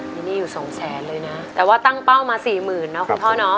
มีหนี้อยู่๒๐๐๐๐๐เลยนะแต่ว่าตั้งเป้ามา๔๐๐๐๐นะคุณพ่อเนาะ